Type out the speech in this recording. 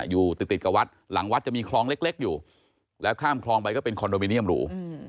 อยู่ติดกับวัดหลังวัดจะมีคลองเล็กอยู่แล้วข้ามคลองไปก็เป็นคอนโดมิเนียมหรู